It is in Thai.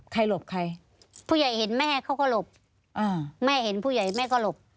หลบใครผู้ใหญ่เห็นแม่เขาก็หลบอ่าแม่เห็นผู้ใหญ่แม่ก็หลบ